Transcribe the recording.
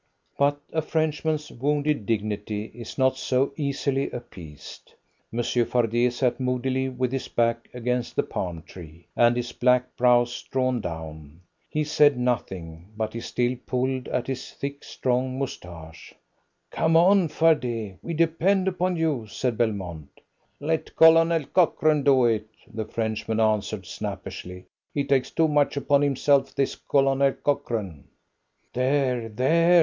But a Frenchman's wounded dignity is not so easily appeased. Monsieur Fardet sat moodily with his back against the palm tree, and his black brows drawn down. He said nothing, but he still pulled at his thick, strong moustache. "Come on, Fardet! We depend upon you," said Belmont. "Let Colonel Cochrane do it," the Frenchman answered snappishly. "He takes too much upon himself this Colonel Cochrane." "There! There!"